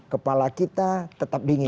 kepala kita tetap dingin